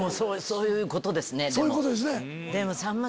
そういうことですね。